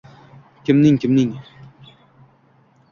— Kimning-kimning?